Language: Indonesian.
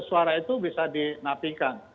empat ratus suara itu bisa dinapikan